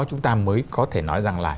chúng ta mới có thể nói rằng là